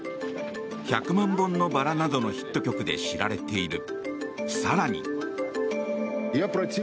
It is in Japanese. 「百万本のバラ」などのヒット曲で知られている。